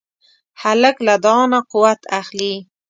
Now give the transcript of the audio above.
هلک له دعا نه قوت اخلي.